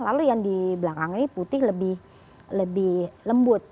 lalu yang di belakang ini putih lebih lembut